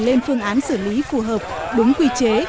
lên phương án xử lý phù hợp đúng quy chế